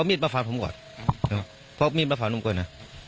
มีดประฟรรพผมก่อน